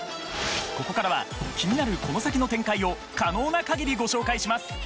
ここからは気になるこの先の展開を可能な限りご紹介します